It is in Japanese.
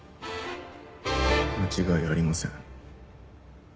間違いありません。